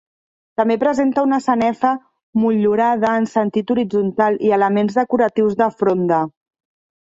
També presenta una sanefa motllurada en sentint horitzontal i elements decoratius de fronda.